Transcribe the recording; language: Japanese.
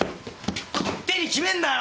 勝手に決めんなよ！